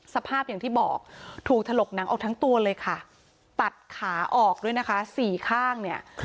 สภาพอย่างที่บอกถูกถลกหนังออกทั้งตัวเลยค่ะตัดขาออกด้วยนะคะสี่ข้างเนี่ย